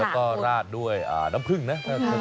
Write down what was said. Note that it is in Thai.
แล้วก็ราดด้วยน้ำผึ้งนะ